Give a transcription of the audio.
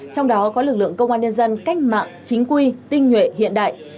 trong đó có lực lượng công an nhân dân cách mạng chính quy tinh nhuệ hiện đại